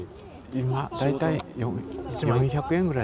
今大体４００円ぐらい。